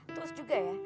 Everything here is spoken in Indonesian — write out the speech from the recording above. terus juga ya